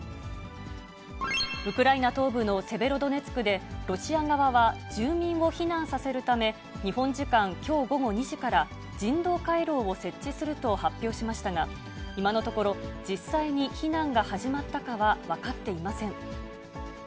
ウクライナ東部のセベロドネツクで、ロシア側は住民を避難させるため、日本時間きょう午後２時から、人道回廊を設置すると発表しましたが、今のところ、実際に避難が始まったかは分かっていません。